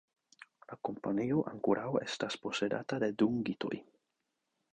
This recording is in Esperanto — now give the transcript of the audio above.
La kompanio ankoraŭ estas posedata de dungitoj.